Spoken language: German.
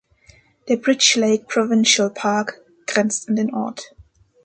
Der Bridge Lake Provincial Park grenzt an den Ort.